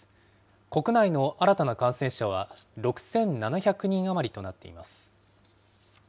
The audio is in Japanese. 国内の新たな感染者は６７００人余りとなっています。